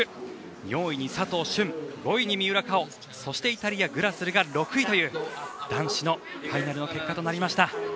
４位に佐藤駿、５位に三浦佳生そしてイタリアのグラスルが６位という男子のファイナルの結果。